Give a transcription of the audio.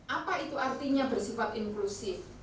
apa itu artinya bersifat inklusif